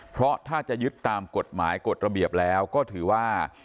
เพราะถ้าจะยึดตามกฎหมายกฎระเบียบแล้วก็ถือว่า